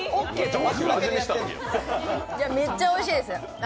めっちゃおいしいです。